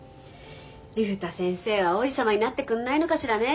竜太先生は王子様になってくんないのかしらね。